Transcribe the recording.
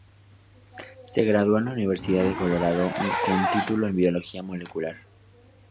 Se graduó de la Universidad de Colorado con título en Biología Molecular.